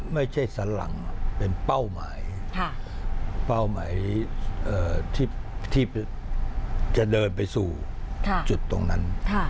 สันหลังเป็นเป้าหมายเป้าหมายที่จะเดินไปสู่จุดตรงนั้น